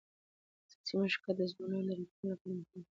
سیاسي مشارکت د ځوانانو د راتلونکي لپاره مهم دی